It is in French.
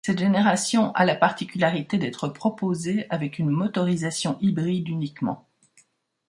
Cette génération a la particularité d'être proposée avec une motorisation hybride uniquement.